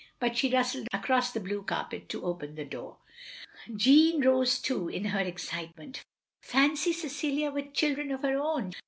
But she rustled across the blue carpet to open the door. Jeanne rose too, in her excitement. Fancy Cecilia with children of her own!